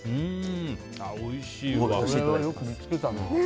おいしい。